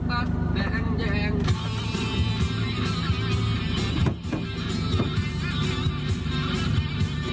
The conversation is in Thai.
มันท้าต่อยครับ